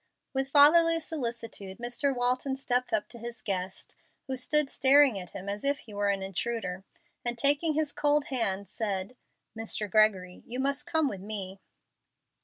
With fatherly solicitude Mr. Waiton stepped up to his guest, who stood staring at him as if he were an intruder, and taking his cold hand, said, "Mr. Gregory, you must come with me."